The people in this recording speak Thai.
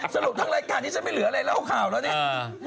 สรุปทั้งรายการนี้ฉันไม่เหลืออะไรเล่าข่าวแล้วเนี่ย